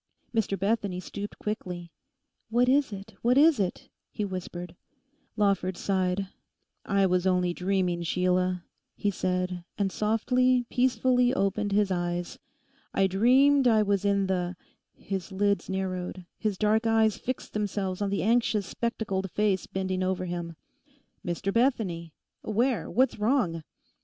Mr Bethany stooped quickly. 'What is it, what is it?' he whispered. Lawford sighed. 'I was only dreaming, Sheila,' he said, and softly, peacefully opened his eyes. 'I dreamed I was in the—' His lids narrowed, his dark eyes fixed themselves on the anxious spectacled face bending over him. 'Mr Bethany! Where? What's wrong?